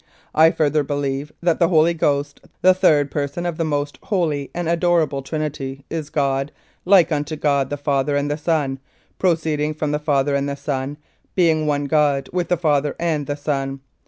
I further believe that the Holy Ghost, the third Person of the Most Holy and Adorable Trinity, is God, like unto God the Father and the Son, pro ceeding from the Father and the Son, being One God with the Father and the Son.